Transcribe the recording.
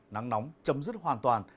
nắng nóng chấm dứt hoàn toàn